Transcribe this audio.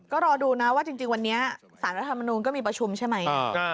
ก็รอดูนะว่าจริงวันนี้สารรัฐมนูลก็มีประชุมใช่ไหม